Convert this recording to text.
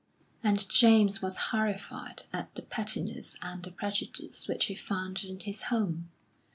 And James was horrified at the pettiness and the prejudice which he found in his home.